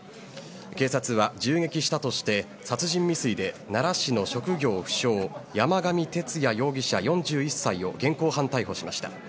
警察は銃撃したとして殺人未遂で奈良市の職業不詳山上徹也容疑者、４１歳を現行犯逮捕しました。